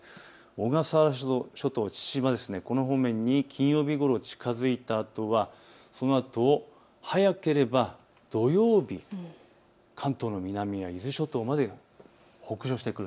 小笠原諸島、父島、この方面に金曜日ごろ近づいたあとは早ければ土曜日、関東の南や伊豆諸島まで北上してくる。